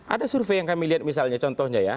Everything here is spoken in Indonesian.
ada survei yang kami lihat misalnya contohnya ya